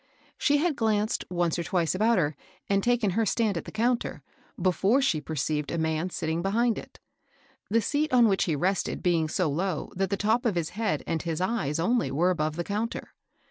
She had glanced once or twice about her, and taken her stand at the counter, before she perceived a man sitting behind it ; the seat on which he rested be ing so low that the top of his head and his eyes only were above the counter.